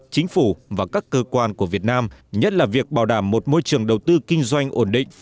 chính phủ và các cơ quan của việt nam nhất là việc bảo đảm một môi trường đầu tư kinh doanh ổn định